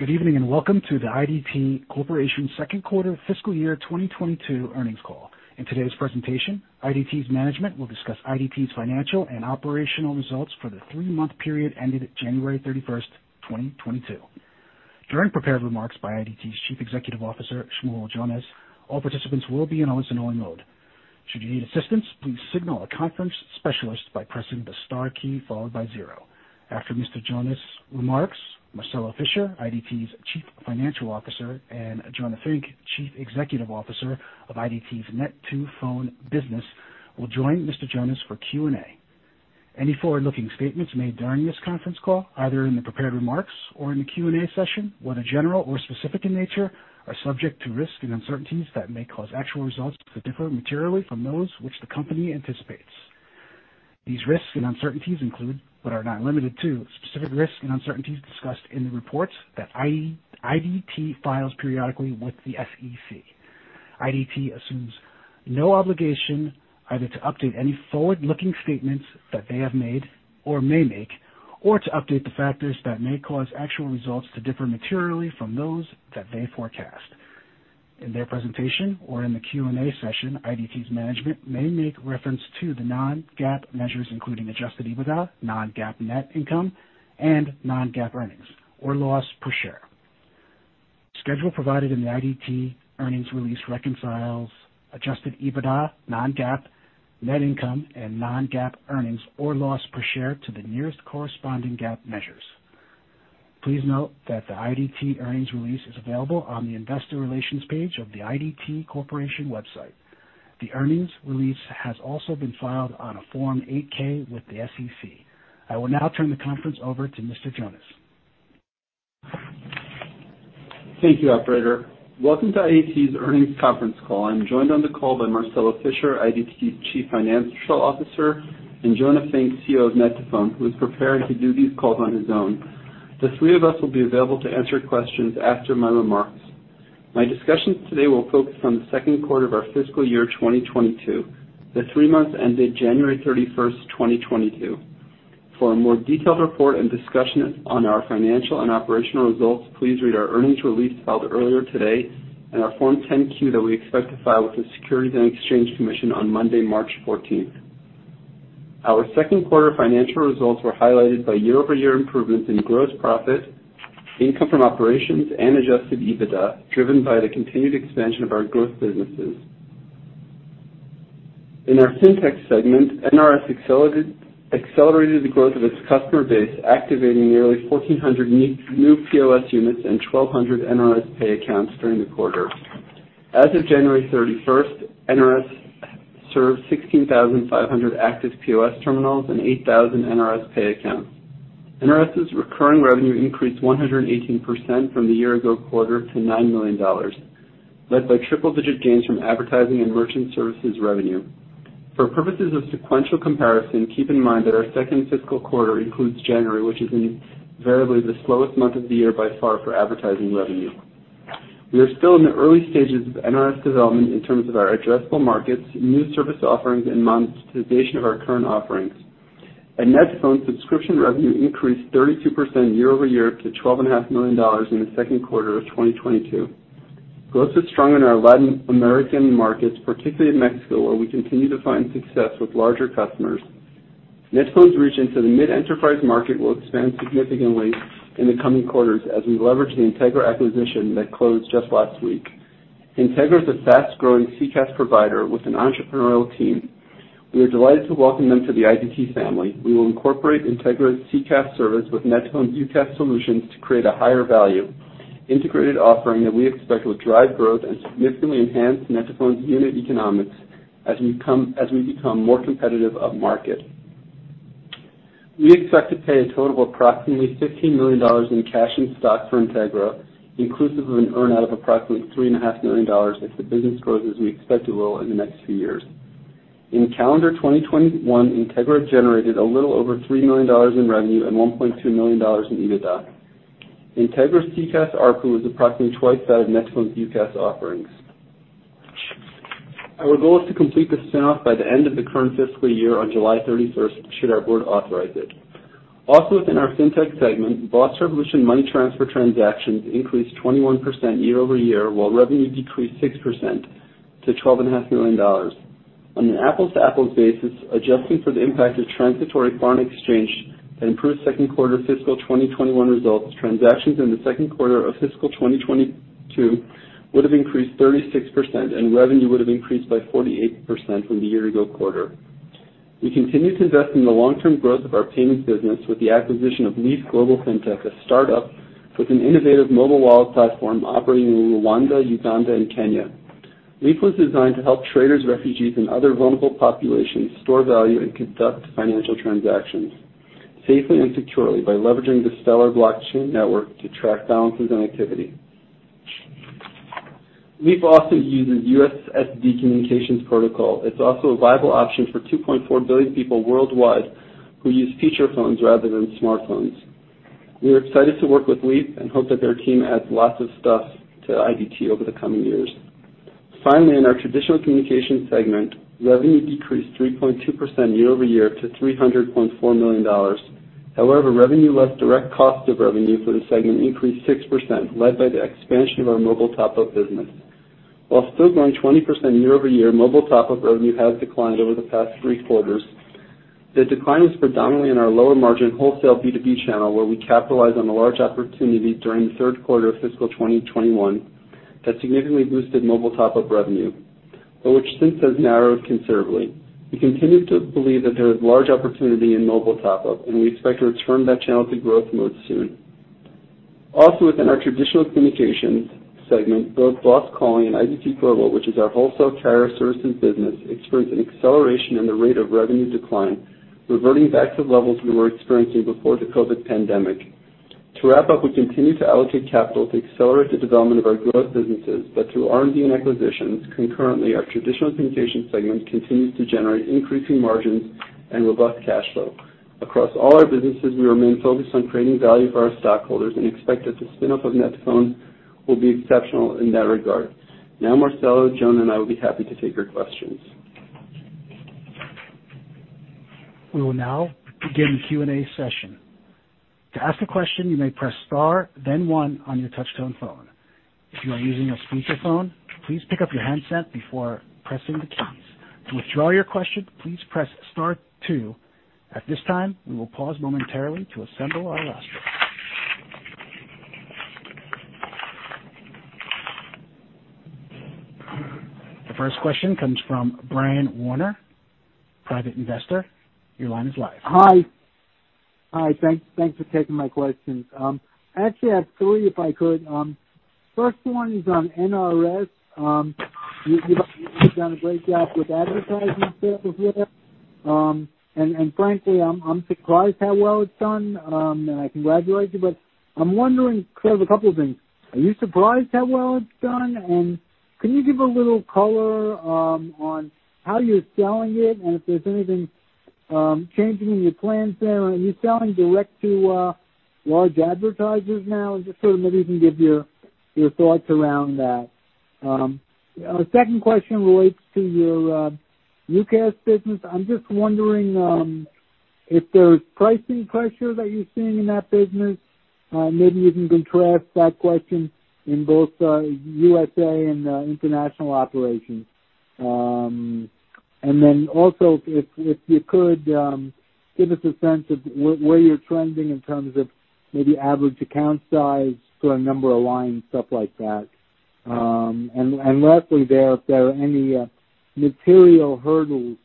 Good evening, and welcome to the IDT Corporation second quarter fiscal year 2022 earnings call. In today's presentation, IDT's management will discuss IDT's financial and operational results for the three-month period ended January 31, 2022. During prepared remarks by IDT's Chief Executive Officer, Shmuel Jonas, all participants will be in listen-only mode. Should you need assistance, please signal a conference specialist by pressing the star key followed by 0. After Mr. Jonas' remarks, Marcelo Fischer, IDT's Chief Financial Officer, and Jonah Fink, Chief Executive Officer of IDT's net2phone business, will join Mr. Jonas for Q&A. Any forward-looking statements made during this conference call, either in the prepared remarks or in the Q&A session, whether general or specific in nature, are subject to risks and uncertainties that may cause actual results to differ materially from those which the company anticipates. These risks and uncertainties include, but are not limited to, specific risks and uncertainties discussed in the reports that IDT files periodically with the SEC. IDT assumes no obligation either to update any forward-looking statements that they have made or may make, or to update the factors that may cause actual results to differ materially from those that they forecast. In their presentation or in the Q&A session, IDT's management may make reference to the non-GAAP measures, including Adjusted EBITDA, non-GAAP net income, and non-GAAP earnings or loss per share. The schedule provided in the IDT earnings release reconciles Adjusted EBITDA, non-GAAP net income, and non-GAAP earnings or loss per share to the nearest corresponding GAAP measures. Please note that the IDT earnings release is available on the investor relations page of the IDT Corporation website. The earnings release has also been filed on a Form 8-K with the SEC. I will now turn the conference over to Mr. Jonas. Thank you, operator. Welcome to IDT's earnings conference call. I'm joined on the call by Marcelo Fischer, IDT's Chief Financial Officer, and Jonah Fink, CEO of net2phone, who is preparing to do these calls on his own. The three of us will be available to answer questions after my remarks. My discussions today will focus on the second quarter of our fiscal year 2022, the 3 months ended January 31, 2022. For a more detailed report and discussion on our financial and operational results, please read our earnings release filed earlier today and our Form 10-Q that we expect to file with the Securities and Exchange Commission on Monday, March 14. Our second quarter financial results were highlighted by year-over-year improvements in gross profit, income from operations, and adjusted EBITDA, driven by the continued expansion of our growth businesses. In our Fintech segment, NRS accelerated the growth of its customer base, activating nearly 1,400 new POS units and 1,200 NRS Pay accounts during the quarter. As of January 31st, NRS serves 16,500 active POS terminals and 8,000 NRS Pay accounts. NRS's recurring revenue increased 118% from the year-ago quarter to $9 million, led by triple-digit gains from advertising and merchant services revenue. For purposes of sequential comparison, keep in mind that our second fiscal quarter includes January, which is invariably the slowest month of the year by far for advertising revenue. We are still in the early stages of NRS development in terms of our addressable markets, new service offerings, and monetization of our current offerings. At net2phone, subscription revenue increased 32% year-over-year to $12.5 million in the second quarter of 2022. Growth was strong in our Latin American markets, particularly in Mexico, where we continue to find success with larger customers. net2phone's reach into the mid-enterprise market will expand significantly in the coming quarters as we leverage the Integra acquisition that closed just last week. Integra is a fast-growing CCaaS provider with an entrepreneurial team. We are delighted to welcome them to the IDT family. We will incorporate Integra's CCaaS service with net2phone's UCaaS solutions to create a higher value integrated offering that we expect will drive growth and significantly enhance net2phone's unit economics as we become more competitive upmarket. We expect to pay a total of approximately $15 million in cash and stock for Integra, inclusive of an earn-out of approximately $3.5 million if the business grows as we expect it will in the next few years. In calendar 2021, Integra generated a little over $3 million in revenue and $1.2 million in EBITDA. Integra's CCaaS ARPU is approximately twice that of net2phone's UCaaS offerings. Our goal is to complete the spin-off by the end of the current fiscal year on July 31, should our board authorize it. Also within our Fintech segment, BOSS Revolution money transfer transactions increased 21% year-over-year, while revenue decreased 6% to $12.5 million. On an apples-to-apples basis, adjusting for the impact of transitory foreign exchange that improved second quarter fiscal 2021 results, transactions in the second quarter of fiscal 2022 would have increased 36%, and revenue would have increased by 48% from the year-ago quarter. We continue to invest in the long-term growth of our payments business with the acquisition of Leaf Global Fintech, a startup with an innovative mobile wallet platform operating in Rwanda, Uganda, and Kenya. Leaf was designed to help traders, refugees, and other vulnerable populations store value and conduct financial transactions safely and securely by leveraging the Stellar blockchain network to track balances and activity. Leaf also uses USSD communications protocol. It's also a viable option for 2.4 billion people worldwide who use feature phones rather than smartphones. We are excited to work with Leaf and hope that their team adds lots of stuff to IDT over the coming years. Finally, in our traditional communication segment, revenue decreased 3.2% year-over-year to $300.4 million. However, revenue less direct cost of revenue for the segment increased 6%, led by the expansion of our Mobile Top-Up business. While still growing 20% year-over-year, Mobile Top-Up revenue has declined over the past three quarters. The decline is predominantly in our lower margin wholesale B2B channel, where we capitalize on the large opportunity during the third quarter of fiscal 2021 that significantly boosted Mobile Top-Up revenue, but which since has narrowed considerably. We continue to believe that there is large opportunity in Mobile Top-Up, and we expect to return that channel to growth mode soon. Also, within our traditional communications segment, both BOSS Revolution and IDT Global, which is our wholesale carrier services business, experienced an acceleration in the rate of revenue decline, reverting back to the levels we were experiencing before the COVID pandemic. To wrap up, we continue to allocate capital to accelerate the development of our growth businesses, but through R&D and acquisitions, concurrently, our traditional communications segment continues to generate increasing margins and robust cash flow. Across all our businesses, we remain focused on creating value for our stockholders and expect that the spin-off of net2phone will be exceptional in that regard. Now, Marcelo, Jonah, and I will be happy to take your questions. We will now begin the Q&A session. To ask a question, you may press Star, then one on your touchtone phone. If you are using a speakerphone, please pick up your handset before pressing the keys. To withdraw your question, please press star two. At this time, we will pause momentarily to assemble our roster. The first question comes from Brian Warner, Private Investor. Your line is live. Hi. Thanks for taking my questions. Actually I have three, if I could. First one is on NRS. You’ve done a great job with advertising sales here. Frankly, I’m surprised how well it’s done. I congratulate you, but I’m wondering sort of a couple things. Are you surprised how well it’s done? Can you give a little color on how you’re selling it and if there’s anything changing in your plans there? Are you selling direct to large advertisers now? Just sort of maybe you can give your thoughts around that. A second question relates to your UCaaS business. I’m just wondering if there’s pricing pressure that you’re seeing in that business. Maybe you can contrast that question in both USA and international operations. If you could give us a sense of where you're trending in terms of maybe average account size, sort of number of lines, stuff like that. Lastly there, if there are any material hurdles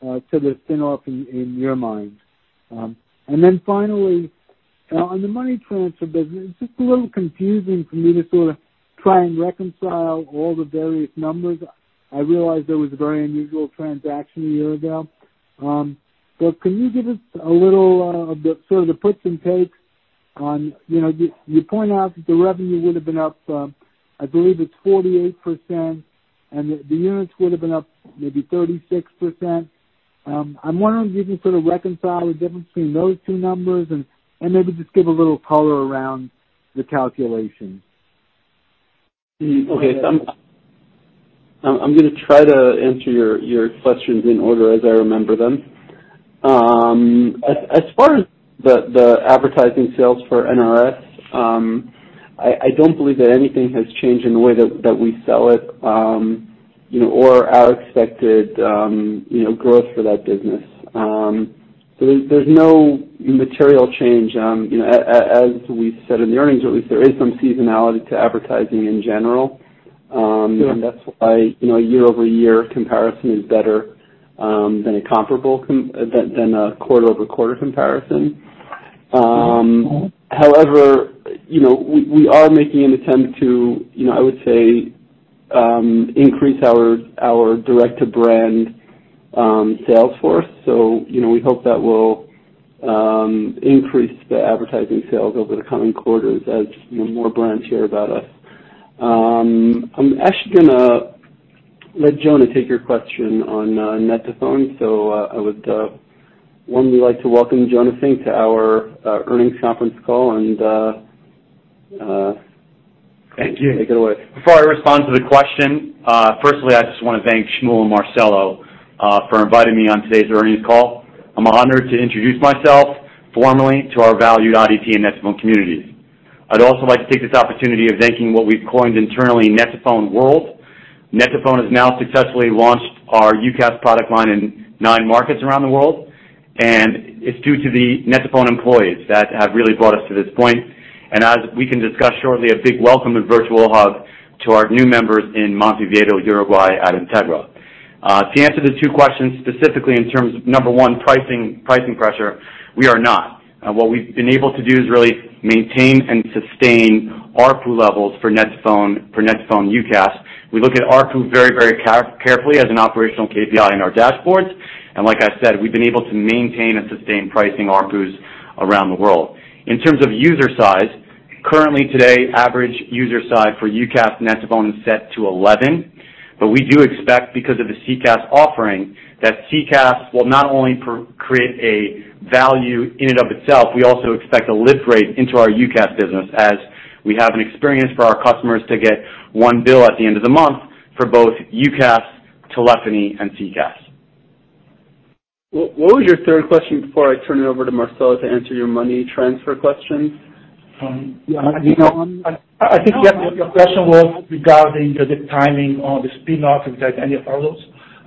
to the spin-off in your mind. Finally, on the money transfer business, it's just a little confusing for me to sort of try and reconcile all the various numbers. I realize there was a very unusual transaction a year ago. Can you give us a little sort of the puts and takes on, you know? You point out that the revenue would've been up, I believe it's 48%, and the units would've been up maybe 36%. I'm wondering if you can sort of reconcile the difference between those two numbers and maybe just give a little color around the calculation. Okay. I'm gonna try to answer your questions in order as I remember them. As far as the advertising sales for NRS, I don't believe that anything has changed in the way that we sell it, you know, or our expected, you know, growth for that business. So there's no material change. You know, as we said in the earnings release, there is some seasonality to advertising in general. Sure. That's why, you know, year-over-year comparison is better than a quarter-over-quarter comparison. However, you know, we are making an attempt to, you know, I would say, increase our direct-to-brand sales force. You know, we hope that will increase the advertising sales over the coming quarters as, you know, more brands hear about us. I'm actually gonna let Jonah take your question on net2phone. We like to welcome Jonathan to our earnings conference call. Thank you. Take it away. Before I respond to the question, firstly, I just wanna thank Shmuel and Marcelo for inviting me on today's earnings call. I'm honored to introduce myself formally to our valued IDT and net2phone communities. I'd also like to take this opportunity of thanking what we've coined internally, net2phone World. net2phone has now successfully launched our UCaaS product line in nine markets around the world, and it's due to the net2phone employees that have really brought us to this point. As we can discuss shortly, a big welcome and virtual hug to our new members in Montevideo, Uruguay at Integra. To answer the two questions, specifically in terms of number one, pricing pressure, we are not. What we've been able to do is really maintain and sustain ARPU levels for net2phone, for net2phone UCaaS. We look at ARPU very, very carefully as an operational KPI in our dashboards, and like I said, we've been able to maintain and sustain pricing ARPUs around the world. In terms of user size, currently today, average user size for UCaaS net2phone is set to 11, but we do expect because of the CCaaS offering, that CCaaS will not only create a value in and of itself, we also expect a lift rate into our UCaaS business as we have an experience for our customers to get one bill at the end of the month for both UCaaS, telephony and CCaaS. What was your third question before I turn it over to Marcelo to answer your money transfer question? Yeah, I think your question was regarding the timing of the spin-off, if there are any hurdles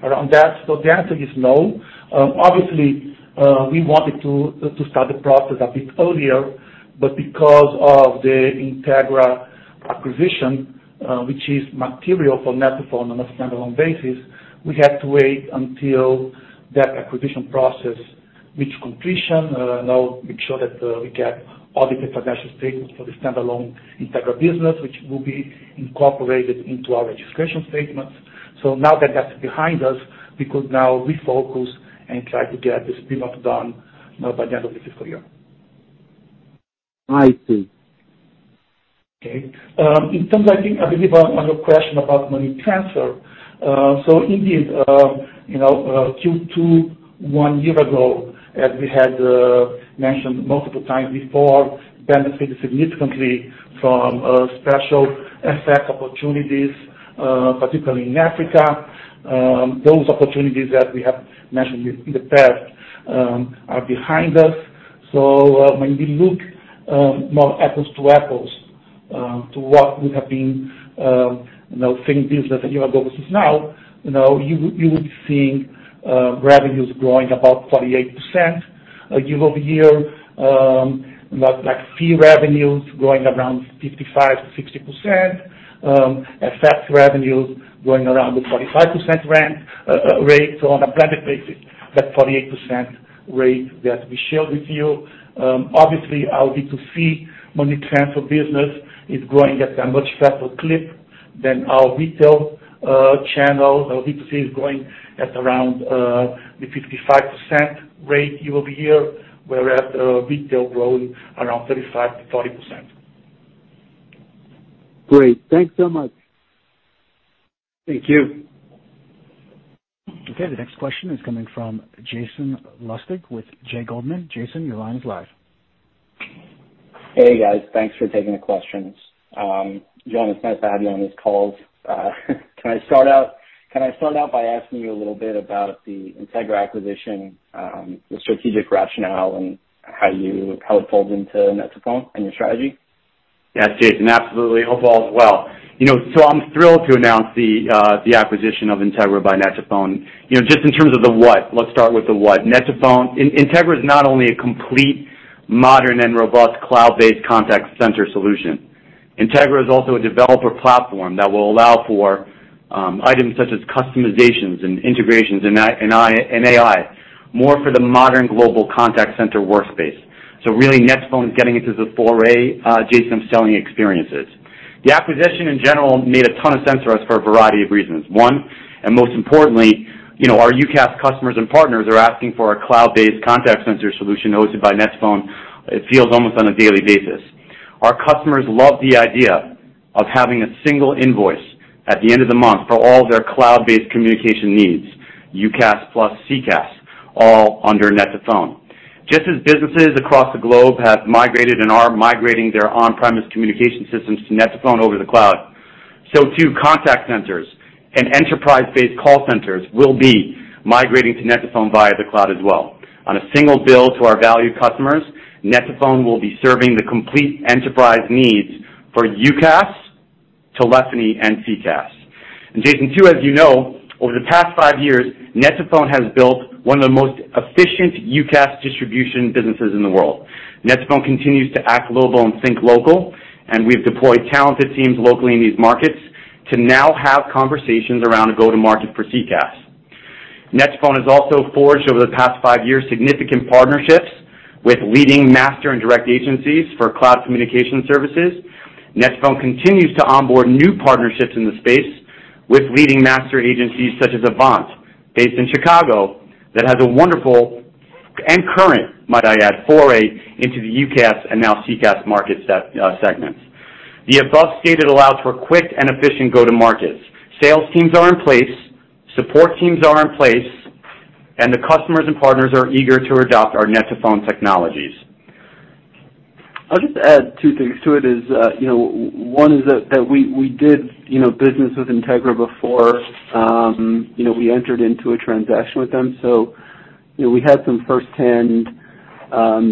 around that. The answer is no. Obviously, we wanted to start the process a bit earlier, but because of the Integra acquisition, which is material for net2phone on a standalone basis, we had to wait until that acquisition process reached completion. Now make sure that we get audited financial statements for the standalone Integra business, which will be incorporated into our registration statements. Now that that's behind us, we could now refocus and try to get the spin-off done by the end of the fiscal year. I see. Okay. In terms, I think, I believe on your question about money transfer. Indeed, you know, Q2 one year ago, as we had mentioned multiple times before, benefited significantly from special asset opportunities, particularly in Africa. Those opportunities that we have mentioned in the past are behind us. When we look more apples to apples to what would have been, you know, same business a year ago versus now, you know, you would see revenues growing about 48% year-over-year. Like fee revenues growing around 55%-60%. Asset revenues growing around the 45% rate. On a blended basis, that 48% rate that we shared with you. Obviously our B2C money transfer business is growing at a much faster clip than our retail channel. Our B2C is growing at around the 55% rate year-over-year, whereas retail growing around 35%-40%. Great. Thanks so much. Thank you. Okay. The next question is coming from Jason Lustig with J. Goldman. Jason, your line is live. Hey, guys. Thanks for taking the questions. Jonah, it's nice to have you on this call. Can I start out by asking you a little bit about the Integra acquisition, the strategic rationale and how it folds into net2phone and your strategy? Yes, Jason, absolutely. Hope all is well. You know, I'm thrilled to announce the acquisition of Integra by net2phone. You know, just in terms of the what, let's start with the what. net2phone—Integra is not only a complete, modern and robust cloud-based contact center solution. Integra is also a developer platform that will allow for items such as customizations and integrations and AI, more for the modern global contact center workspace. Really, net2phone is getting into the foray, Jason, of selling experiences. The acquisition in general made a ton of sense for us for a variety of reasons. One, most importantly, you know, our UCaaS customers and partners are asking for a cloud-based contact center solution hosted by net2phone. It feels almost on a daily basis. Our customers love the idea of having a single invoice at the end of the month for all their cloud-based communication needs, UCaaS plus CCaaS, all under net2phone. Just as businesses across the globe have migrated and are migrating their on-premise communication systems to net2phone over the cloud, so too contact centers and enterprise-based call centers will be migrating to net2phone via the cloud as well. On a single bill to our valued customers, net2phone will be serving the complete enterprise needs for UCaaS, telephony and CCaaS. Jason, too, as you know, over the past five years, net2phone has built one of the most efficient UCaaS distribution businesses in the world. net2phone continues to act global and think local, and we've deployed talented teams locally in these markets to now have conversations around a go-to-market for CCaaS. net2phone has also forged over the past five years significant partnerships with leading master and direct agencies for cloud communication services. net2phone continues to onboard new partnerships in the space with leading master agencies such as Avant, based in Chicago, that has a wonderful and current, might I add, foray into the UCaaS and now CCaaS market segments. The above stated allows for quick and efficient go-to markets. Sales teams are in place, support teams are in place, and the customers and partners are eager to adopt our net2phone technologies. I'll just add two things to it is, you know, one is that we did, you know, business with Integra before, you know, we entered into a transaction with them. We had some first hand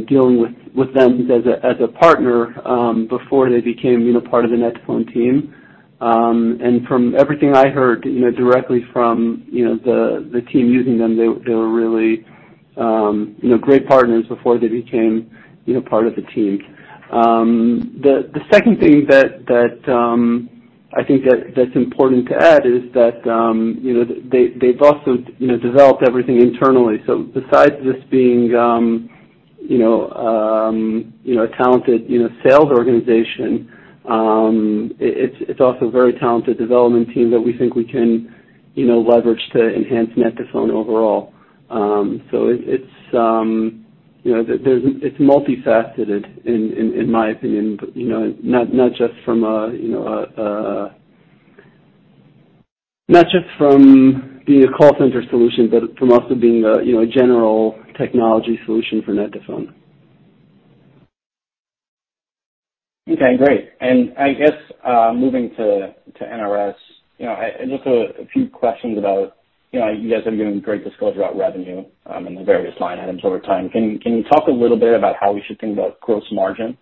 dealing with them as a partner before they became, you know, part of the net2phone team. From everything I heard, you know, directly from you know, the team using them, they were really, you know, great partners before they became, you know, part of the team. The second thing that I think that's important to add is that, you know, they've also, you know, developed everything internally. Besides this being you know a talented you know sales organization, it's also a very talented development team that we think we can you know leverage to enhance net2phone overall. It's multifaceted in my opinion, but you know not just from being a call center solution, but from also being a you know general technology solution for net2phone. Okay, great. I guess moving to NRS, you know, and just a few questions about, you know, you guys have given great disclosure about revenue and the various line items over time. Can you talk a little bit about how we should think about gross margin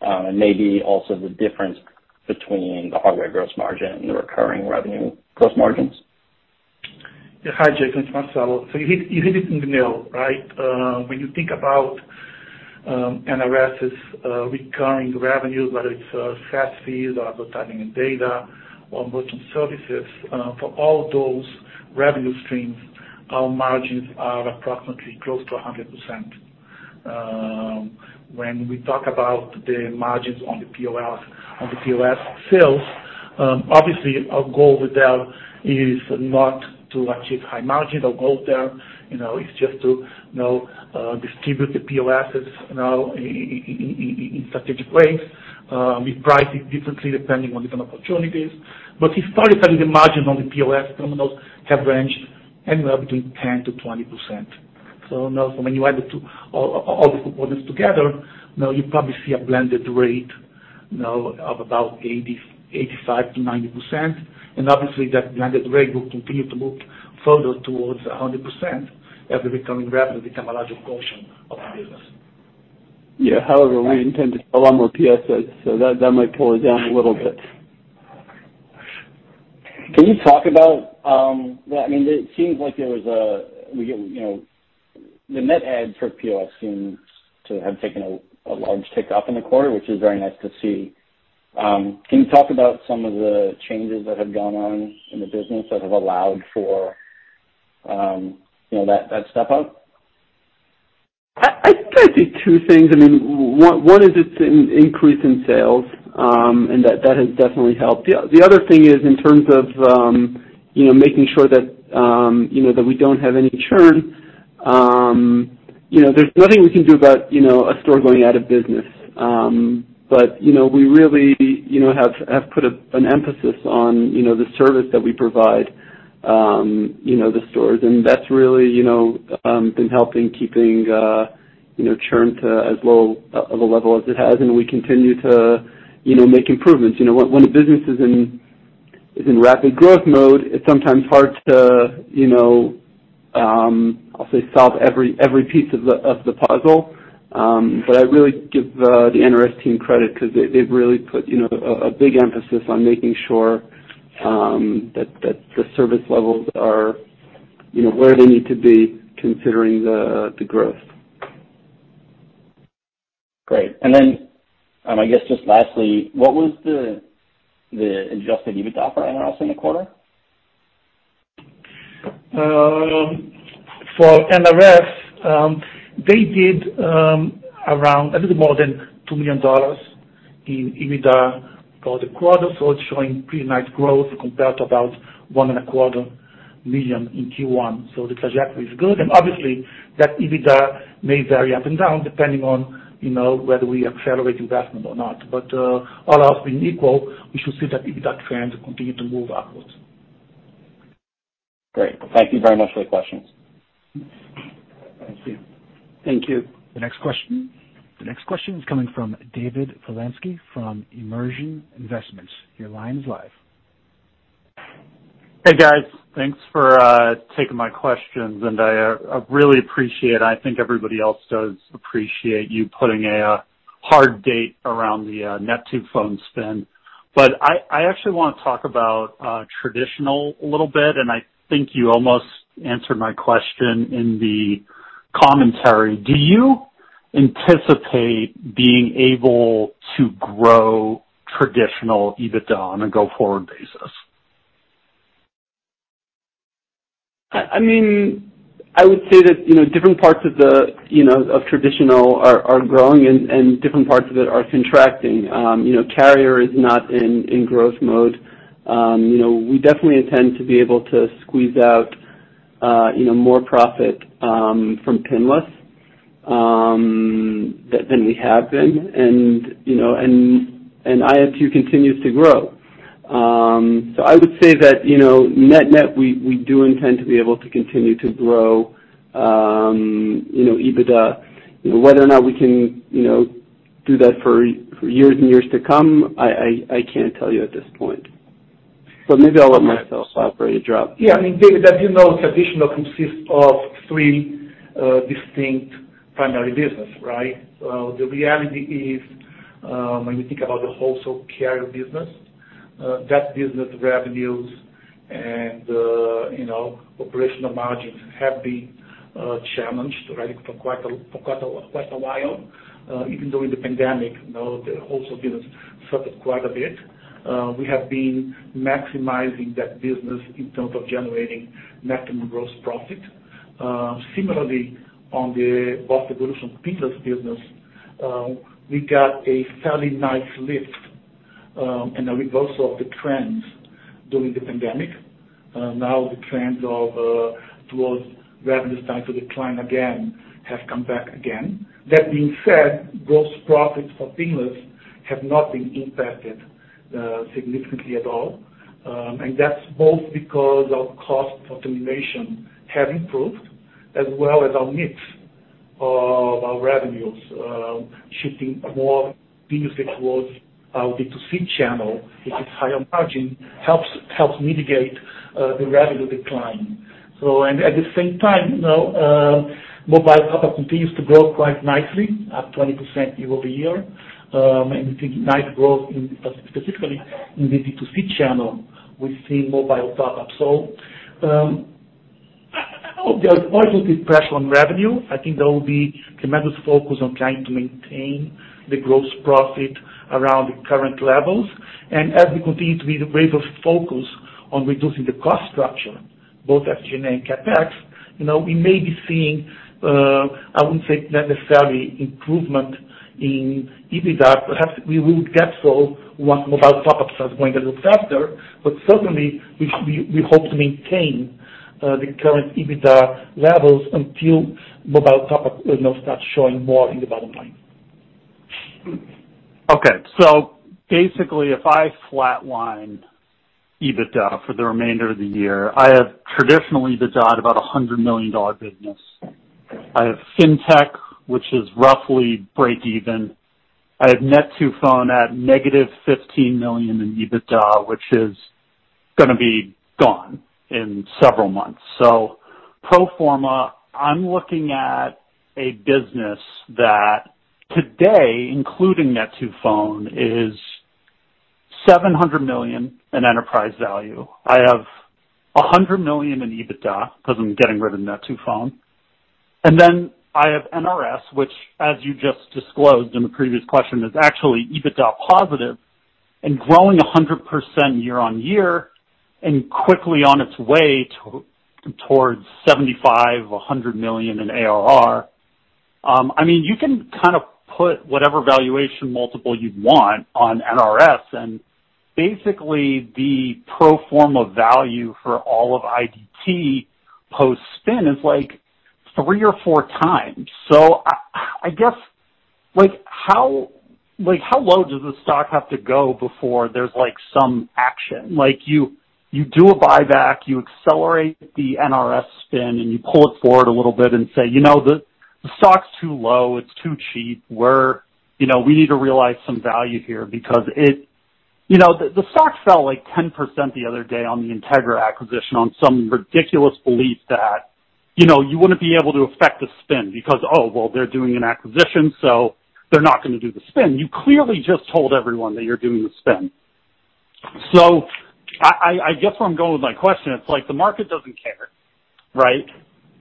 and maybe also the difference between the hardware gross margin and the recurring revenue gross margins? Yeah. Hi, Jake, it's Marcelo. You hit it in the middle, right? When you think about NRS's recurring revenue, whether it's SaaS fees or advertising and data or merchant services, for all those revenue streams, our margins are approximately close to 100%. When we talk about the margins on the POS, on the POS sales, obviously our goal with them is not to achieve high margins. Our goal there, you know, is just to, you know, distribute the POSs, you know, in strategic ways, with pricing differently depending on different opportunities. Historically, the margins on the POS terminals have ranged anywhere between 10%-20%. Now when you add the two, all the components together, now you probably see a blended rate, you know, of about 80, 85%-90%. Obviously, that blended rate will continue to move further towards 100% as the recurring revenue become a larger portion of the business. Yeah. However, we intend to sell a lot more POSs, so that might pull it down a little bit. Can you talk about, I mean, it seems like you know, the net add for POS seems to have taken a large tick up in the quarter, which is very nice to see. Can you talk about some of the changes that have gone on in the business that have allowed for, you know, that step up? I think there's two things. I mean, one is it's an increase in sales, and that has definitely helped. The other thing is in terms of you know, making sure that you know, that we don't have any churn. You know, there's nothing we can do about you know, a store going out of business. But you know, we really you know, have put an emphasis on you know, the service that we provide you know, the stores. That's really you know, been helping keeping you know, churn to as low of a level as it has, and we continue to you know, make improvements. You know, when a business is in rapid growth mode, it's sometimes hard to, you know, I'll say solve every piece of the puzzle. I really give the NRS team credit 'cause they've really put, you know, a big emphasis on making sure that the service levels are, you know, where they need to be considering the growth. Great. I guess just lastly, what was the adjusted EBITDA for NRS in the quarter? For NRS, they did around a little more than $2 million in EBITDA for the quarter, so it's showing pretty nice growth compared to about $1.25 million in Q1. The trajectory is good. Obviously, that EBITDA may vary up and down depending on, you know, whether we accelerate investment or not. All else being equal, we should see that EBITDA trend continue to move upwards. Great. Thank you very much for the questions. Thank you. Thank you. The next question is coming from David Polansky from Immersion Investments. Your line's live. Hey, guys. Thanks for taking my questions. I really appreciate, and I think everybody else does appreciate you putting a hard date around the net2phone spin. I actually wanna talk about traditional a little bit, and I think you almost answered my question in the commentary. Do you anticipate being able to grow traditional EBITDA on a go-forward basis? I mean, I would say that, you know, different parts of the, you know, of traditional are growing and different parts of it are contracting. You know, carrier is not in growth mode. You know, we definitely intend to be able to squeeze out more profit from Pinless than we have been. You know, IFU continues to grow. I would say that, you know, net-net, we do intend to be able to continue to grow EBITDA. You know, whether or not we can do that for years and years to come, I can't tell you at this point. Maybe I'll let Marcelo operate and jump in. Yeah. I mean, David, as you know, traditional consists of three distinct primary business, right? The reality is, when you think about the wholesale carrier business, that business revenues and, you know, operational margins have been challenged, right, for quite a while. Even though in the pandemic, you know, the wholesale business suffered quite a bit, we have been maximizing that business in terms of generating maximum gross profit. Similarly, on the BOSS Revolution Pinless business, we got a fairly nice lift, and a reversal of the trends during the pandemic. Now the trends towards revenues starting to decline again have come back again. That being said, gross profits for Pinless have not been impacted significantly at all, and that's both because of cost of termination have improved- As well as our mix of our revenues, shifting more business towards our B2C channel, which is higher margin, helps mitigate the revenue decline. At the same time, you know, Mobile Top-Up continues to grow quite nicely at 20% year-over-year. We see nice growth in, specifically in the B2C channel, we've seen Mobile Top-Up. I hope there's quite a bit pressure on revenue. I think there will be tremendous focus on trying to maintain the gross profit around the current levels. As we continue to be the wave of focus on reducing the cost structure, both at G&A and CapEx, you know, we may be seeing, I wouldn't say necessarily improvement in EBITDA. Perhaps we will get so once Mobile Top-Ups are going a little faster. Certainly we hope to maintain the current EBITDA levels until Mobile Top-Up, you know, starts showing more in the bottom line. Okay. Basically, if I flatline EBITDA for the remainder of the year, I have traditionally EBITDA at about a $100 million business. I have Fintech, which is roughly breakeven. I have net2phone at negative $15 million in EBITDA, which is gonna be gone in several months. Pro forma, I'm looking at a business that today, including net2phone, is $700 million in enterprise value. I have a $100 million in EBITDA 'cause I'm getting rid of net2phone. Then I have NRS, which as you just disclosed in the previous question, is actually EBITDA positive and growing 100% year-over-year and quickly on its way towards 75, 100 million in ARR. I mean, you can kind of put whatever valuation multiple you want on NRS and basically the pro forma value for all of IDT post-spin is like three or four times. I guess, like, how low does the stock have to go before there's like some action? Like, you do a buyback, you accelerate the NRS spin, and you pull it forward a little bit and say, "You know, the stock's too low, it's too cheap. We're, you know, we need to realize some value here." Because, you know, the stock fell like 10% the other day on the Integra acquisition on some ridiculous belief that, you know, you wouldn't be able to affect the spin because, oh, well, they're doing an acquisition, so they're not gonna do the spin. You clearly just told everyone that you're doing the spin. I guess, where I'm going with my question, it's like the market doesn't care, right?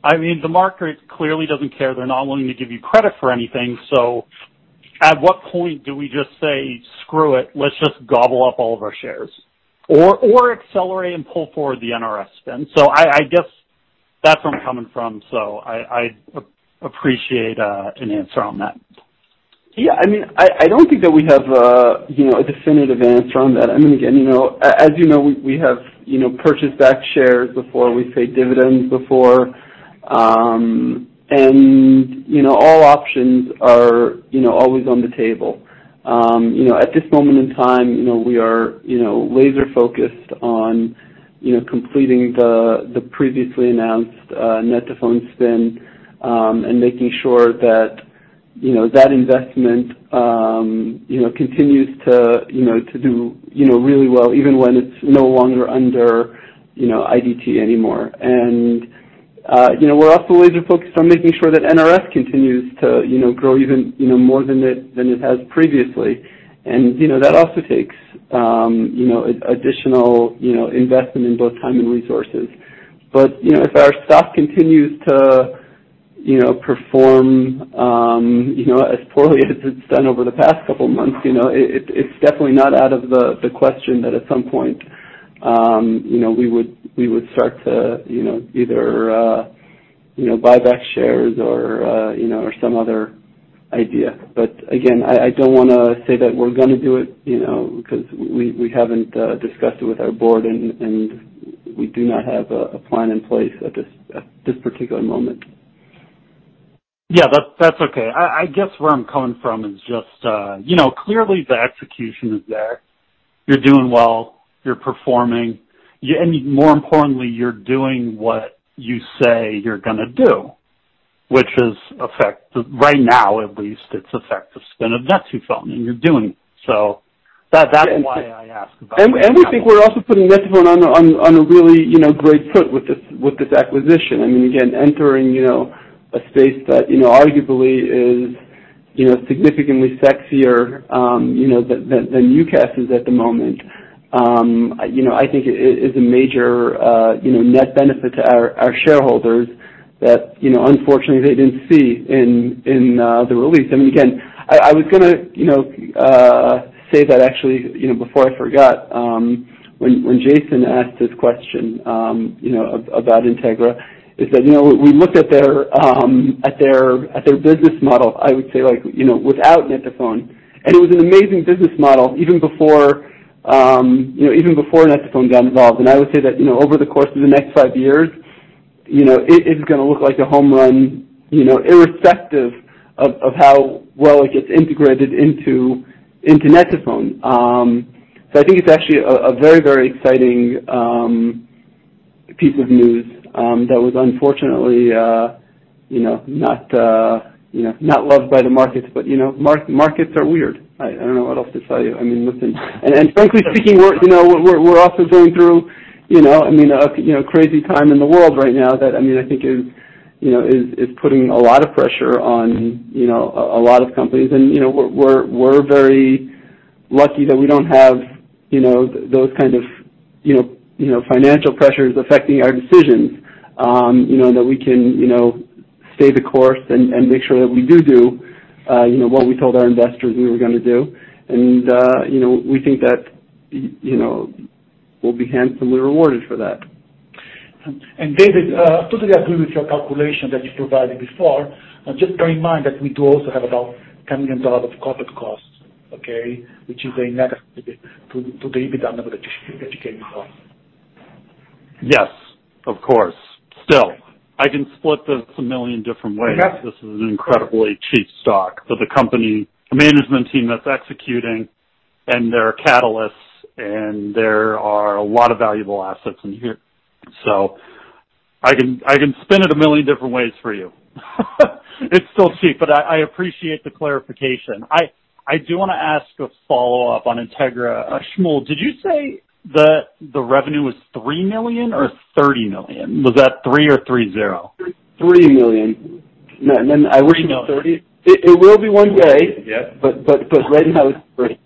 I mean, the market clearly doesn't care. They're not willing to give you credit for anything. At what point do we just say, "Screw it, let's just gobble up all of our shares," or accelerate and pull forward the NRS spin? I guess that's where I'm coming from. I appreciate an answer on that. Yeah. I mean, I don't think that we have you know a definitive answer on that. I mean, again, you know, as you know, we have you know purchased back shares before, we've paid dividends before. You know, all options are you know always on the table. You know, at this moment in time, you know, we are you know laser focused on you know completing the previously announced net2phone spin, and making sure that you know that investment you know continues to you know to do you know really well even when it's no longer under you know IDT anymore. You know, we're also laser focused on making sure that NRS continues to you know grow even you know more than it has previously. You know, that also takes additional investment in both time and resources. You know, if our stock continues to perform as poorly as it's done over the past couple of months, you know, it's definitely not out of the question that at some point you know, we would start to either buy back shares or some other idea. Again, I don't wanna say that we're gonna do it, you know, because we haven't discussed it with our board and we do not have a plan in place at this particular moment. Yeah. That's okay. I guess where I'm coming from is just, you know, clearly the execution is there. You're doing well, you're performing. More importantly, you're doing what you say you're gonna do, which is effect the spin of net2phone, and you're doing it. So that- Yeah. That's why I ask about. We think we're also putting net2phone on a really, you know, great footing with this acquisition. I mean, again, entering, you know, a space that, you know, arguably is, you know, significantly sexier, you know, than UCaaS is at the moment. You know, I think it is a major, you know, net benefit to our shareholders that, you know, unfortunately they didn't see in the release. I mean, again, I was gonna, you know, say that actually, you know, before I forgot, when Jason asked this question, you know, about Integra, you know, we looked at their business model. I would say like, you know, without net2phone, and it was an amazing business model even before, you know, even before net2phone got involved. I would say that, you know, over the course of the next five years, you know, it is gonna look like a home run, you know, irrespective of how well it gets integrated into net2phone. I think it's actually a very, very exciting piece of news that was unfortunately, you know, not loved by the markets, but, you know, markets are weird. I don't know what else to tell you. I mean, listen. Frankly speaking, you know, we're also going through, you know, I mean, a crazy time in the world right now that, I mean, I think is putting a lot of pressure on a lot of companies, you know, we're very lucky that we don't have, you know, those kind of financial pressures affecting our decisions. You know, that we can, you know, stay the course and make sure that we do, you know, what we told our investors we were gonna do. You know, we think that, you know, we'll be handsomely rewarded for that. David, totally agree with your calculation that you provided before. Just bear in mind that we do also have about $10 million of corporate costs, okay? Which is a negative to the EBITDA number that you came up. Yes, of course. Still, I can split this a million different ways. Okay. This is an incredibly cheap stock that the company, the management team that's executing, and there are catalysts, and there are a lot of valuable assets in here. I can spin it a million different ways for you. It's still cheap, but I appreciate the clarification. I do wanna ask a follow-up on Integra. Shmuel, did you say the revenue was $3 million or $30 million? Was that 3 or 30? $3 million. I reach 30- $3 million. It will be one day. Yeah. Right now it's three.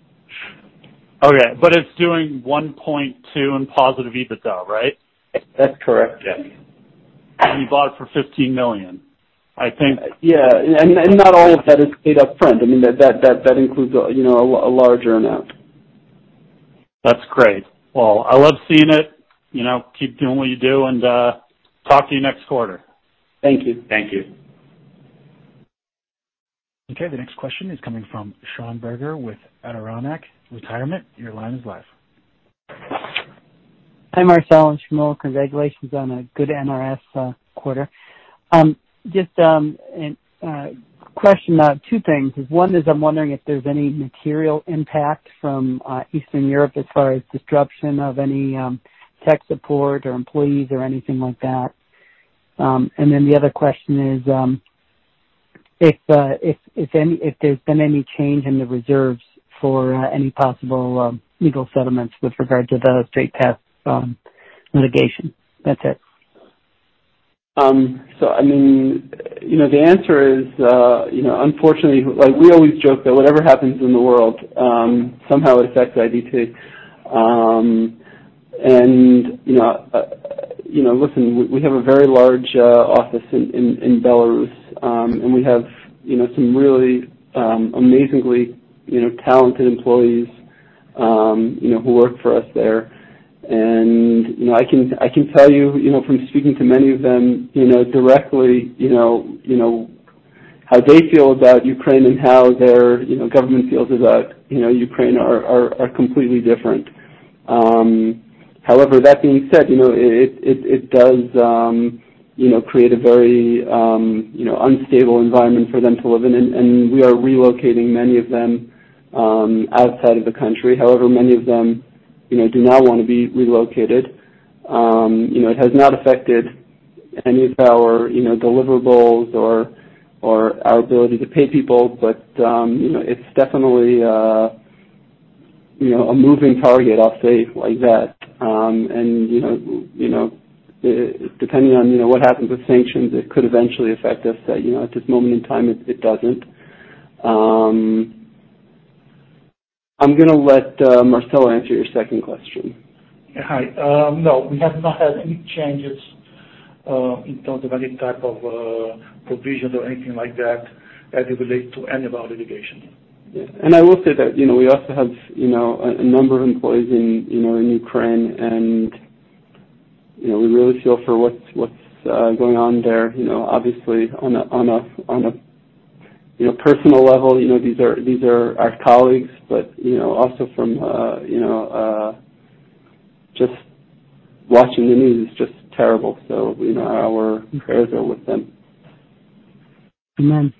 Okay. It's doing $1.2 in positive EBITDA, right? That's correct. Yeah. You bought it for $15 million. I think. Yeah. Not all of that is paid up front. I mean, that includes, you know, a large earn out. That's great. Well, I love seeing it, you know, keep doing what you do, and talk to you next quarter. Thank you. Thank you. Okay. The next question is coming from Sean Berger with Adirondack Retirement. Your line is live. Hi, Marcel and Shmuel. Congratulations on a good NRS quarter. Question about two things. One is I'm wondering if there's any material impact from Eastern Europe as far as disruption of any tech support or employees or anything like that. The other question is if there's been any change in the reserves for any possible legal settlements with regard to the Straight Path litigation. That's it. I mean, you know, the answer is, you know, unfortunately, like we always joke that whatever happens in the world somehow affects IDT. You know, listen, we have a very large office in Belarus, and we have, you know, some really amazingly, you know, talented employees, you know, who work for us there. You know, I can tell you know, from speaking to many of them, you know, directly, you know, how they feel about Ukraine and how their, you know, government feels about, you know, Ukraine are completely different. However, that being said, you know, it does, you know, create a very, you know, unstable environment for them to live in and we are relocating many of them outside of the country. However, many of them, you know, do not wanna be relocated. You know, it has not affected any of our, you know, deliverables or our ability to pay people. You know, it's definitely, you know, a moving target, I'll say, like that. You know, depending on, you know, what happens with sanctions, it could eventually affect us. You know, at this moment in time, it doesn't. I'm gonna let Marcelo answer your second question. Yeah. Hi. No, we have not had any changes in terms of any type of provisions or anything like that as it relates to any of our litigation. Yeah, I will say that, you know, we also have, you know, a number of employees in, you know, in Ukraine, and, you know, we really feel for what's going on there. You know, obviously on a personal level, you know, these are our colleagues, but, you know, also from, you know, just watching the news, it's just terrible. You know, our prayers are with them. Amen.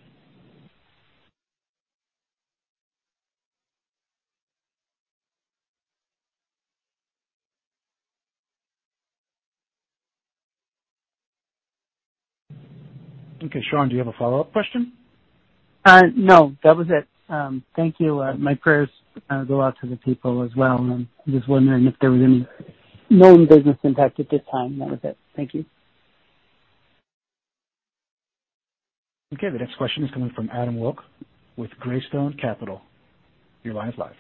Okay. Sean, do you have a follow-up question? No, that was it. Thank you. My prayers go out to the people as well, and I'm just wondering if there was any known business impact at this time. That was it. Thank you. Okay. The next question is coming from Adam Wilk with Greystone Capital. Your line is live.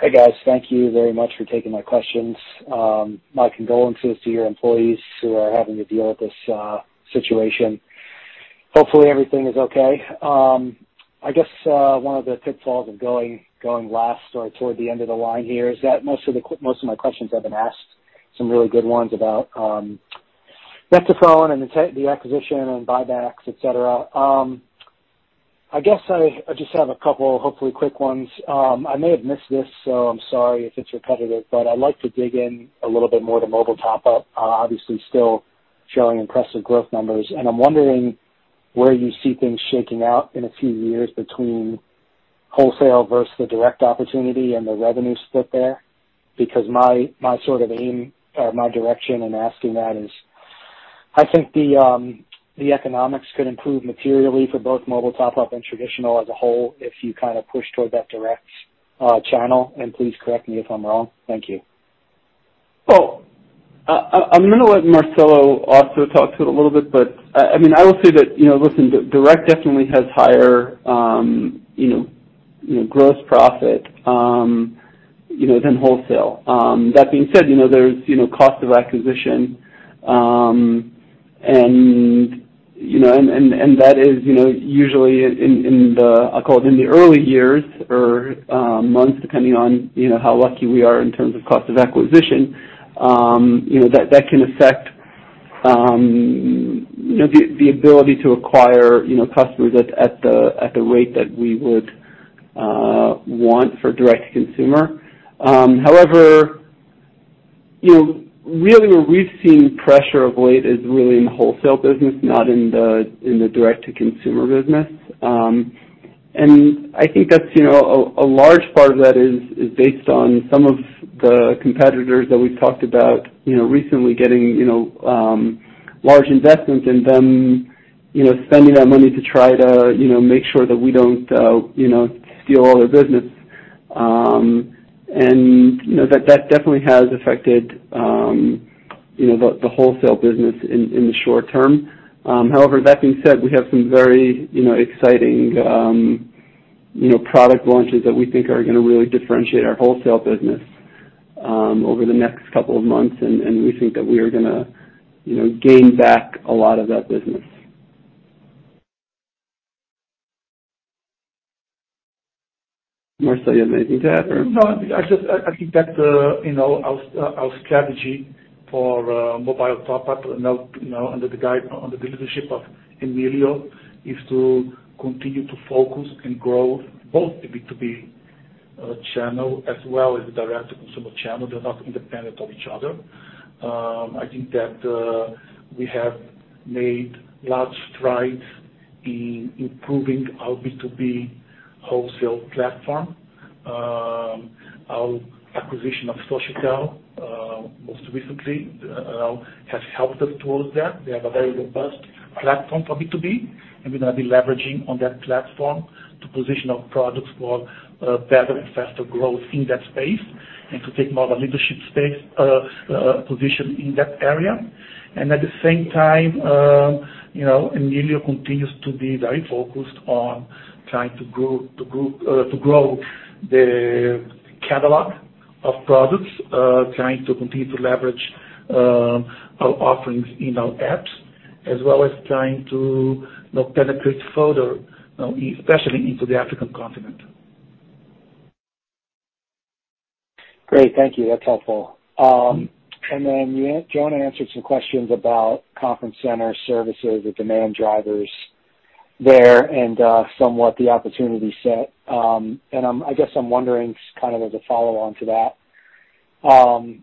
Hey, guys. Thank you very much for taking my questions. My condolences to your employees who are having to deal with this situation. Hopefully, everything is okay. I guess one of the pitfalls of going last or toward the end of the line here is that most of my questions have been asked, some really good ones about net2phone and the acquisition and buybacks, et cetera. I guess I just have a couple, hopefully quick ones. I may have missed this, so I'm sorry if it's repetitive, but I'd like to dig in a little bit more to Mobile Top-Up, obviously still showing impressive growth numbers. I'm wondering where you see things shaking out in a few years between wholesale versus the direct opportunity and the revenue split there? Because my sort of aim or my direction in asking that is, I think the economics could improve materially for both mobile top-up and traditional as a whole if you kind of push toward that direct channel. Please correct me if I'm wrong. Thank you. I'm gonna let Marcelo also talk to it a little bit, but I mean, I will say that, you know, listen, direct definitely has higher, you know, gross profit, you know, than wholesale. That being said, you know, there's, you know, cost of acquisition, and, you know, and that is, you know, usually in the, I'll call it in the early years or, months, depending on, you know, how lucky we are in terms of cost of acquisition, you know, that can affect, you know, the ability to acquire, you know, customers at the rate that we would want for direct-to-consumer. However, you know, really where we've seen pressure of late is really in the wholesale business, not in the direct-to-consumer business. I think that's, you know, a large part of that is based on some of the competitors that we've talked about, you know, recently getting large investments and them, you know, spending that money to try to, you know, make sure that we don't you know steal all their business. You know, that definitely has affected you know the wholesale business in the short term. However, that being said, we have some very exciting product launches that we think are gonna really differentiate our wholesale business over the next couple of months, and we think that we are gonna you know gain back a lot of that business. Marcelo, you have anything to add or? No, I just think that, you know, our strategy for mobile top-up, you know, under the leadership of Emilio, is to continue to focus and grow both the B2B channel as well as the direct-to-consumer channel. They're not independent of each other. I think that we have made large strides in improving our B2B wholesale platform. Our acquisition of Sochitel most recently has helped us towards that. We have a very robust platform for B2B, and we're gonna be leveraging on that platform to position our products for better and faster growth in that space and to take more of a leadership position in that area. At the same time, you know, Emilio continues to be very focused on trying to grow the catalog of products, trying to continue to leverage our offerings in our apps, as well as trying to, you know, penetrate further, you know, especially into the African continent. Great. Thank you. That's helpful. You, Jonah answered some questions about contact center services, the demand drivers there and somewhat the opportunity set. I'm, I guess I'm wondering kind of as a follow-on to that.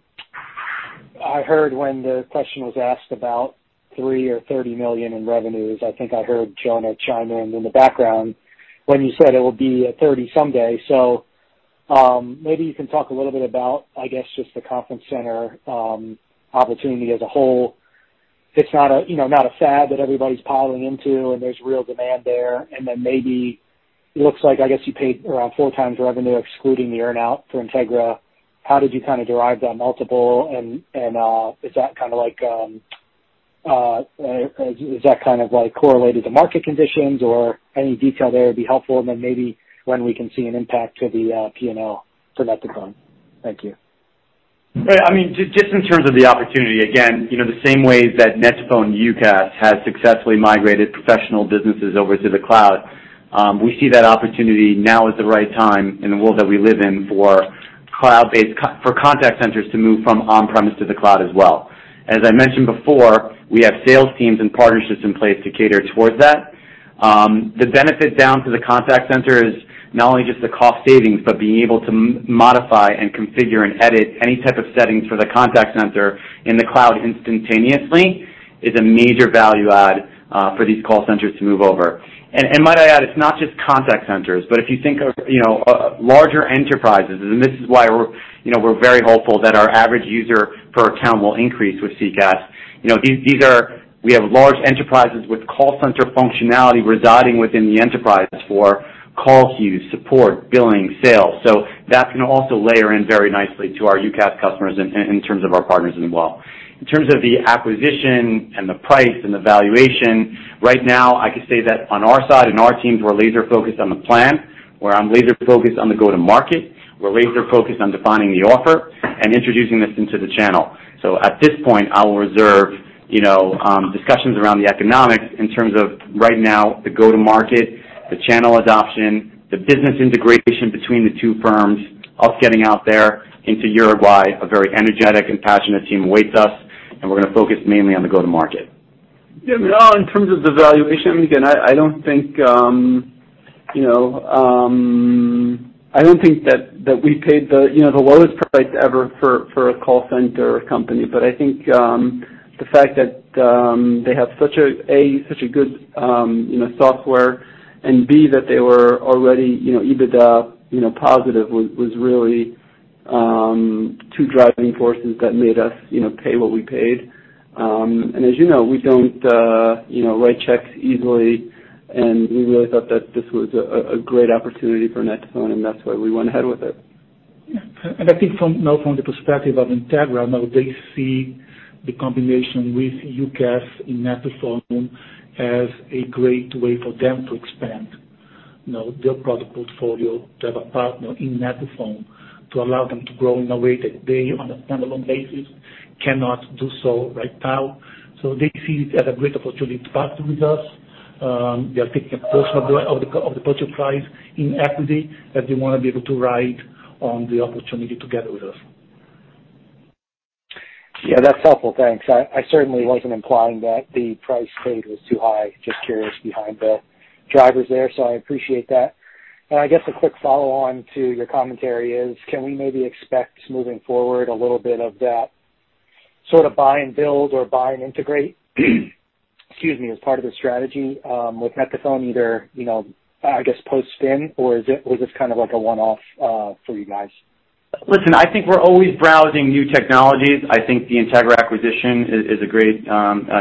I heard when the question was asked about $3 million or $30 million in revenues. I think I heard Jonah chime in in the background when you said it would be at 30 someday. Maybe you can talk a little bit about, I guess, just the contact center opportunity as a whole. It's not a, you know, not a fad that everybody's piling into, and there's real demand there. Maybe it looks like, I guess, you paid around 4x revenue, excluding the earn-out for Integra. How did you kinda derive that multiple? Is that kind of like correlated to market conditions or any detail there would be helpful? Maybe when we can see an impact to the P&L for net2phone. Thank you. Right. I mean, just in terms of the opportunity, again, you know, the same way that net2phone UCaaS has successfully migrated professional businesses over to the cloud, we see that opportunity now as the right time in the world that we live in for cloud-based contact centers to move from on-premise to the cloud as well. As I mentioned before, we have sales teams and partnerships in place to cater towards that. The benefit down to the contact center is not only just the cost savings, but being able to modify and configure and edit any type of settings for the contact center in the cloud instantaneously is a major value add for these call centers to move over. Might I add, it's not just contact centers, but if you think of, you know, larger enterprises, and this is why we're very hopeful that our average user per account will increase with CCaaS. These are large enterprises with call center functionality residing within the enterprise for call queues, support, billing, sales. That can also layer in very nicely to our UCaaS customers in terms of our partners as well. In terms of the acquisition and the price and the valuation, right now, I can say that on our side, in our teams, we're laser-focused on the plan, where I'm laser-focused on the go-to-market. We're laser-focused on defining the offer and introducing this into the channel. At this point, I will reserve, you know, discussions around the economics in terms of right now the go-to-market, the channel adoption, the business integration between the two firms, us getting out there into Uruguay, a very energetic and passionate team awaits us, and we're gonna focus mainly on the go-to-market. Yeah. No, in terms of the valuation, again, I don't think. You know, I don't think that we paid the, you know, the lowest price ever for a call center company. I think the fact that they have such a A such a good, you know, software, and B, that they were already, you know, EBITDA positive was really two driving forces that made us, you know, pay what we paid. As you know, we don't, you know, write checks easily, and we really thought that this was a great opportunity for net2phone, and that's why we went ahead with it. I think from, you know, from the perspective of Integra, you know, they see the combination with UCaaS in net2phone as a great way for them to expand, you know, their product portfolio, to have a partner in net2phone to allow them to grow in a way that they on a standalone basis cannot do so right now. They see it as a great opportunity to partner with us. They are taking a portion of the purchase price in equity, as they wanna be able to ride on the opportunity together with us. Yeah, that's helpful, thanks. I certainly wasn't implying that the price paid was too high, just curious behind the drivers there, so I appreciate that. I guess a quick follow on to your commentary is, can we maybe expect moving forward a little bit of that sort of buy and build or buy and integrate, excuse me, as part of the strategy with net2phone, either you know, I guess post spin, or is it, or is this kind of like a one-off for you guys? Listen, I think we're always browsing new technologies. I think the Integra acquisition is a great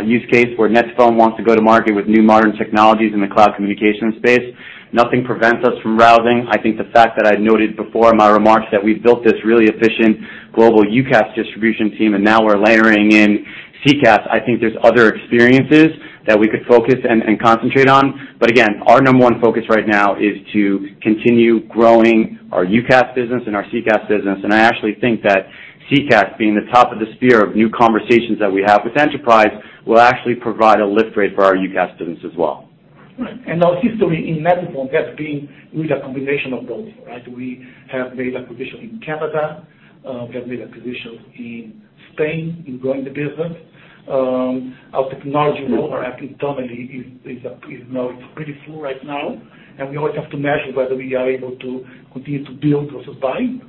use case where net2phone wants to go to market with new modern technologies in the cloud communication space. Nothing prevents us from browsing. I think the fact that I noted before in my remarks that we've built this really efficient global UCaaS distribution team, and now we're layering in CCaaS. I think there's other experiences that we could focus and concentrate on. But again, our number one focus right now is to continue growing our UCaaS business and our CCaaS business. I actually think that CCaaS being the top of the sphere of new conversations that we have with enterprise will actually provide a lift rate for our UCaaS business as well. Right. Our history in net2phone has been with a combination of those, right? We have made acquisitions in Canada, we have made acquisitions in Spain in growing the business. Our technology roadmap internally is now it's pretty full right now. We always have to measure whether we are able to continue to build versus buying.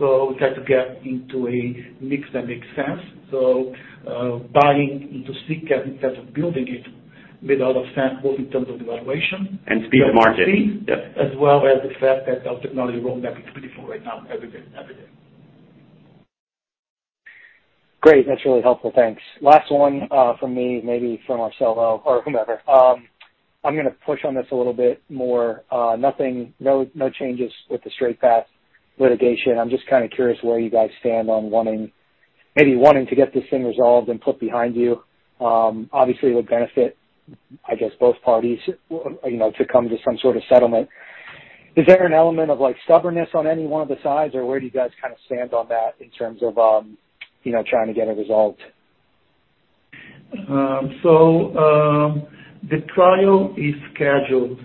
We have to get into a mix that makes sense. Buying into CCaaS instead of building it made a lot of sense, both in terms of the valuation. Speed to market. As well as the fact that our technology roadmap is pretty full right now, as it is evident. Great. That's really helpful. Thanks. Last one from me, maybe from Marcelo or whomever. I'm gonna push on this a little bit more. Nothing, no changes with the Straight Path litigation. I'm just kinda curious where you guys stand on wanting, maybe wanting to get this thing resolved and put behind you. Obviously it would benefit, I guess, both parties, you know, to come to some sort of settlement. Is there an element of, like, stubbornness on any one of the sides, or where do you guys kinda stand on that in terms of, you know, trying to get a result? The trial is scheduled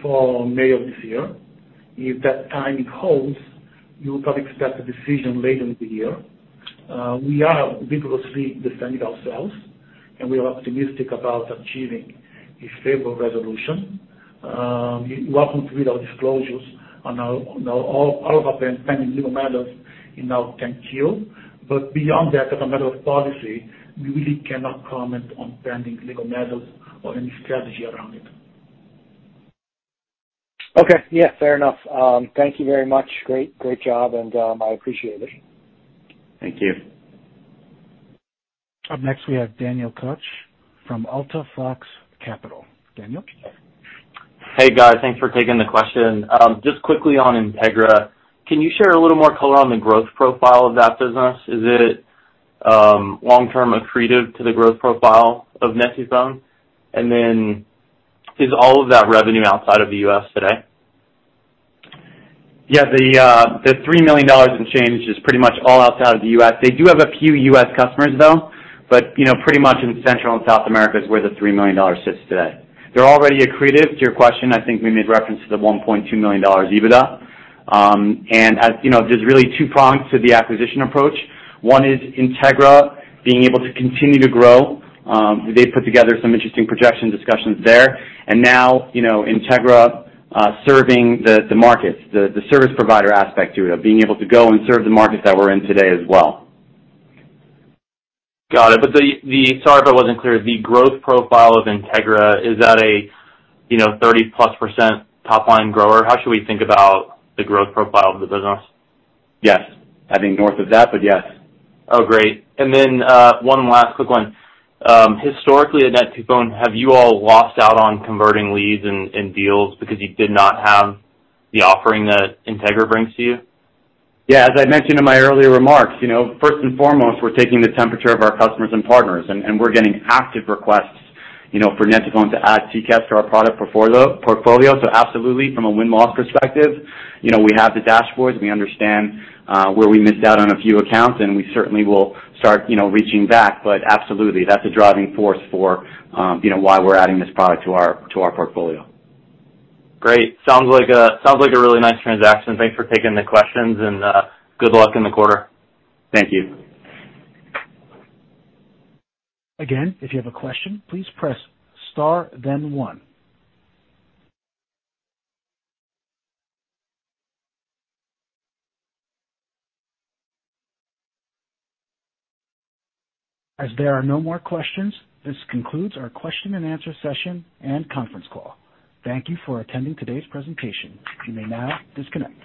for May of this year. If that timing holds, you can expect a decision later in the year. We are vigorously defending ourselves, and we are optimistic about achieving a stable resolution. You're welcome to read our disclosures on all of our pending legal matters in our 10-Q. Beyond that, as a matter of policy, we really cannot comment on pending legal matters or any strategy around it. Okay. Yeah, fair enough. Thank you very much. Great job, and I appreciate it. Thank you. Up next, we have Daniel Koch from Alta Fox Capital. Daniel? Hey, guys. Thanks for taking the question. Just quickly on Integra, can you share a little more color on the growth profile of that business? Is it long-term accretive to the growth profile of net2phone? Is all of that revenue outside of the U.S. today? Yeah. The three million dollars and change is pretty much all outside of the U.S. They do have a few U.S. customers, though, but you know, pretty much in Central and South America is where the three million dollars sits today. They're already accretive. To your question, I think we made reference to the $1.2 million EBITDA. You know, there's really two prongs to the acquisition approach. One is Integra being able to continue to grow. They put together some interesting projection discussions there. Now you know, Integra serving the markets, the service provider aspect to it, of being able to go and serve the markets that we're in today as well. Got it. Sorry if I wasn't clear. The growth profile of Integra, is that a, you know, 30%+ top-line grower? How should we think about the growth profile of the business? Yes. I think north of that, but yes. Oh, great. One last quick one. Historically at net2phone, have you all lost out on converting leads and deals because you did not have the offering that Integra brings to you? Yeah. As I mentioned in my earlier remarks, you know, first and foremost, we're taking the temperature of our customers and partners, and we're getting active requests, you know, for net2phone to add CCaaS to our product portfolio. Absolutely, from a win-loss perspective, you know, we have the dashboards, we understand where we missed out on a few accounts, and we certainly will start, you know, reaching back. Absolutely, that's a driving force for, you know, why we're adding this product to our portfolio. Great. Sounds like a really nice transaction. Thanks for taking the questions, and good luck in the quarter. Thank you. Again, if you have a question, please press star then 1. As there are no more questions, this concludes our question and answer session and conference call. Thank you for attending today's presentation. You may now disconnect.